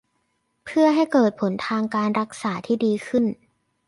เพื่อให้เกิดผลทางการรักษาที่ดีขึ้น